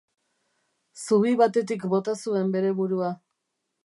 Zubi batetik bota zuen bere burua.